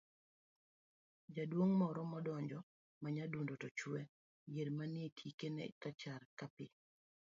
,jaduong' moro nodonjo ma nyadundo to chwe, yier manie tike ne rachar ka pe